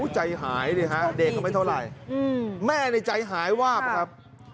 ใจหายดิฮะเด็กก็ไม่เท่าไหร่แม่ในใจหายวาบครับ